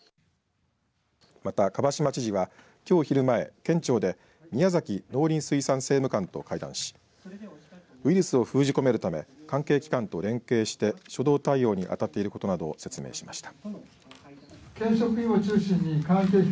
また、蒲島知事はきょう昼前県庁で宮崎農林水産政務官と会談しウイルスを封じ込めるため関係機関と連携して初動対応にあたっていることなどを説明しました。